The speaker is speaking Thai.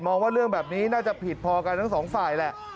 ว่าเรื่องแบบนี้น่าจะผิดพอกันทั้งสองฝ่ายแหละ